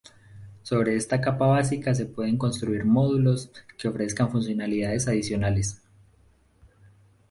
Sobre está capa básica se pueden construir módulos que ofrezcan funcionalidades adicionales.